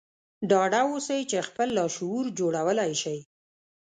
ډاډه اوسئ چې خپل لاشعور جوړولای شئ